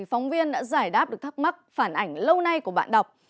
phóng viên đã giải đáp được thắc mắc phản ảnh lâu nay của bạn đọc